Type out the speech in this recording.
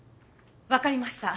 わかりました。